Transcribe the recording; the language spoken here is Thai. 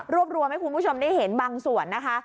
รวมรวมให้คุณผู้ชมได้เห็นบางส่วนนะคะ